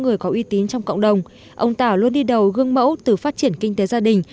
người có uy tín trong cộng đồng ông tảo luôn đi đầu gương mẫu từ phát triển kinh tế gia đình